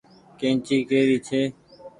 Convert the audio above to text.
ڪيئنچي ڪي ري ڇي ۔